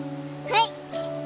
はい！